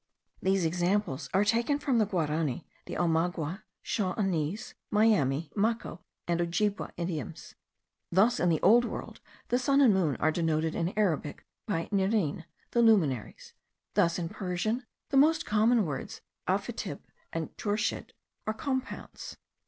These examples are taken from the Guarany, the Omagua, Shawanese, Miami, Maco, and Ojibbeway idioms. Thus in the Old World, the sun and moon are denoted in Arabic by niryn, the luminaries; thus, in Persian, the most common words, afitab and chorschid, are compounds.